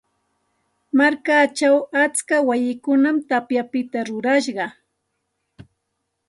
Markachaw atska wayikunam tapyapita rurashqa.